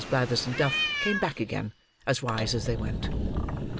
Blathers and Duff came back again, as wise as they went.